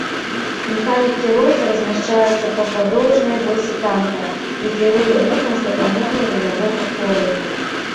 Механік-кіроўца размяшчаецца па падоўжнай восі танка і кіруе рухам з дапамогай рулявога колы.